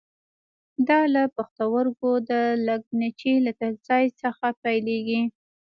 دا له پښتورګو د لګنچې له تش ځای څخه پیلېږي.